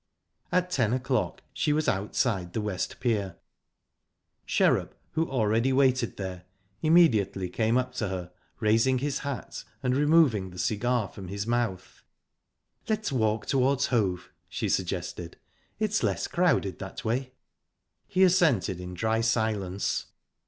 At ten o'clock she was outside the West Pier, Sherrup, who already waited there, immediately came up to her, raising his hat and removing the cigar from his mouth. "Let's walk towards Hove," she suggested. "It's less crowded that way." He assented in dry silence.